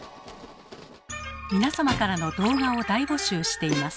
皆様からの動画を大募集しています。